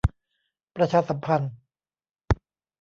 ประชาสัมพันธ์